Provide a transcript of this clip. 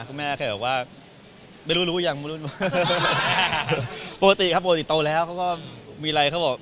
คุณแม่แค่แบบว่าไม่รู้รู้ยังไม่รู้ปกติครับปกติโตแล้วเขาก็มีอะไรเขาบอก